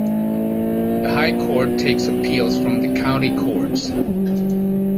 The High Court takes appeals from the County Courts.